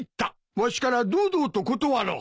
わしから堂々と断ろう。